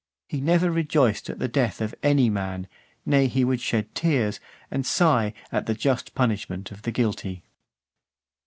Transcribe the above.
He never rejoiced at the death of any man; nay he would shed tears, and sigh, at the just punishment of the guilty.